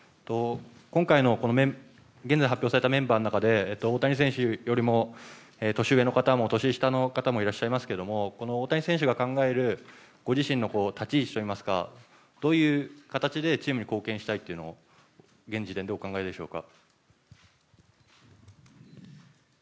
今回の現在発表されたメンバーの中で大谷選手よりも年上の方も年下の方もいらっしゃいますけども大谷選手が考えるご自身の立ち位置といいますかどういう形でチームに貢献したいと現時点でお考えでしょうか。